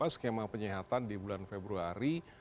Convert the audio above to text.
skema penyihatan di bulan februari